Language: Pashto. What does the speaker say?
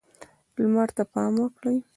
لمر ته پام وکړئ.